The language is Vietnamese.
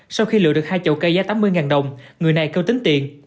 sau khi lựa được hai chậu cây giá tám mươi đồng người này kêu tính tiền